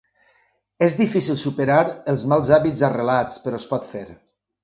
És difícil superar els mals hàbits arrelats, però es pot fer.